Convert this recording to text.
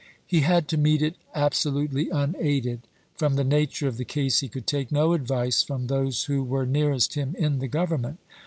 He had to meet it absolutely unaided : from the nature of the case he could take no advice from those who were nearest him in the Grovernment.